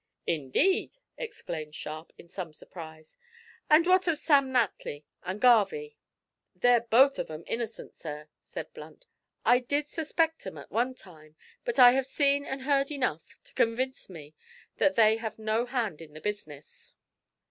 "Indeed!" exclaimed Sharp, in some surprise; "and what of Sam Natly and Garvie?" "They're both of 'em innocent, sir," said Blunt. "I did suspect 'em at one time, but I have seen and heard enough to convince me that they have no hand in the business.